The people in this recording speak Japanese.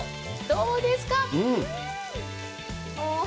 どうですか。